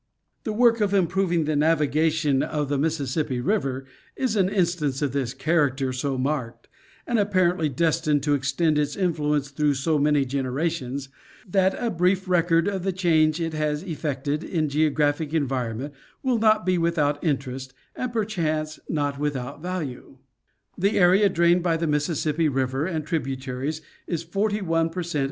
The work of improving the navigation of the Mississippi River, is an instance of this character so marked, and apparently destined to extend its influence through so many generations, that a brief record of the change it has effected in geographic environment will not be without interest, and, perchance, not without value. ; The area drained by the Mississippi river and tributaries, is forty one per cent.